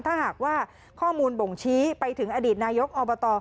ถ้าหากว่าข้อมูลบ่งชี้ไปถึงอดีตนายกอบต